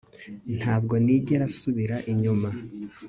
ntabwo nigera nsubira inyuma